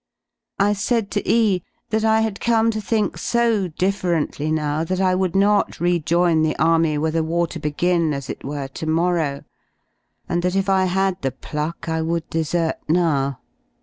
I said to E that ^ I had come to think so differently now that I would not ^ rejoin the Army were the war to begin, as it were, to morrow, and that if I had the pluck I v/ould desert now.